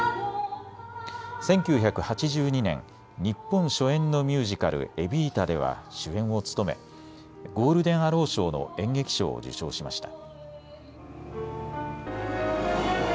１９８２年、日本初演のミュージカル、エビータでは主演を務めゴールデンアロー賞の演劇賞を受賞しました。